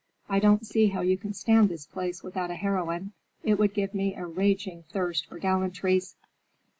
"I don't see how you can stand this place without a heroine. It would give me a raging thirst for gallantries."